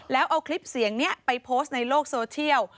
แล้วเอาคลิปเสียงนี้ไปโพสต์ในโลกโซเชียล